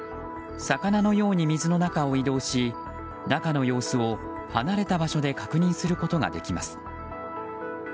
魚のように水の中を移動し中の様子を離れた場所で確認することができます。